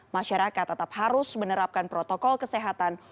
masyarakat tetap harus menerapkan protokol kesehatan